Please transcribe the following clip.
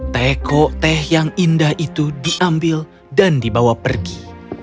teko teh yang indah itu diambil dan dibawa pergi